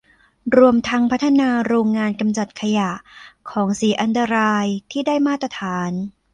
รวมทั้งพัฒนาโรงงานกำจัดขยะ ของเสียอันตรายที่ได้มาตรฐาน